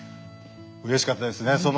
うれしかったですね。